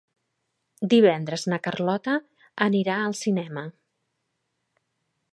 Divendres na Carlota anirà al cinema.